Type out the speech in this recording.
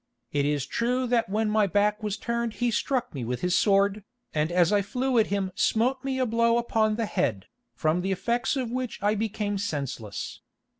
It is true that when my back was turned he struck me with his sword, and as I flew at him smote me a blow upon the head, from the effects of which I became senseless.